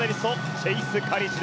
チェイス・カリシュ。